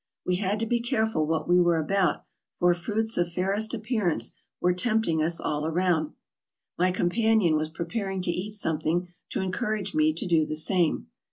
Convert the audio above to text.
We had to be careful what we were about, for fruits of fairest appearance were tempting us all round. My companion was preparing to eat something to encourage me to do the same.